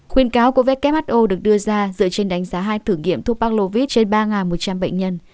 khuyên cáo của who được đưa ra dựa trên đánh giá hai thử nghiệm thuốc parklovis trên ba một trăm linh bệnh nhân